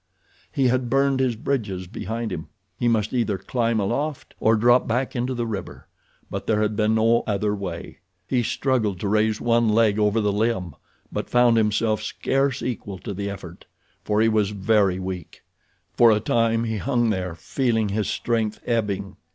He had burned his bridges behind him. He must either climb aloft or drop back into the river; but there had been no other way. He struggled to raise one leg over the limb, but found himself scarce equal to the effort, for he was very weak. For a time he hung there feeling his strength ebbing.